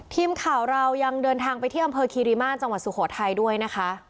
ทีมข่าวเรายังเดินทางไปที่อำเภอคีริมาตรจังหวัดสุโขทัยด้วยนะคะ